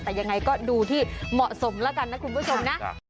แต่ยังไงก็ดูที่เหมาะสมแล้วกันนะคุณผู้ชมนะ